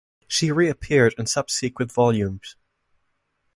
She reappeared in subsequent volumes.